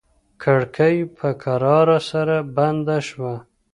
کړکۍ په کراره سره بنده شوه.